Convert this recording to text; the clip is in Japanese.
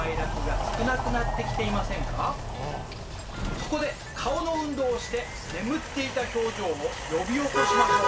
そこで顔の運動をして眠っていた表情を呼び起こしましょう。